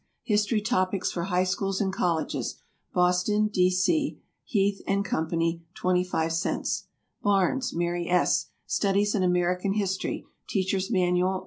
"History Topics for High Schools and Colleges." Boston, D. C. Heath & Co. 25 cents. BARNES, MARY S. "Studies in American History: Teachers' Manual."